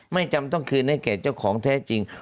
จำต้องคืนให้แก่เจ้าของแท้จริง